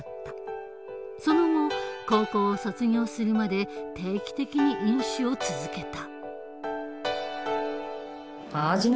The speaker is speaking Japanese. その後高校を卒業するまで定期的に飲酒を続けた。